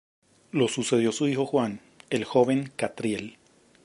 Lo sucedió su hijo Juan "el joven" Catriel.